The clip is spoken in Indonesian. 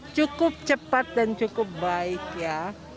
cukup cepat dan cukup baik ya